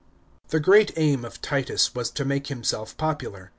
§ 11. The great aim of Titus was to make himself popular.